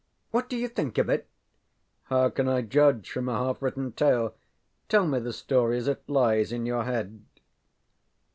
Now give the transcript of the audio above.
What do you think of it? ŌĆØ ŌĆ£How can I judge from a half written tale? Tell me the story as it lies in your head.